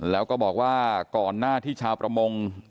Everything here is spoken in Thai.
แล้วก็บอกว่าก่อนหน้าที่ชาวประมง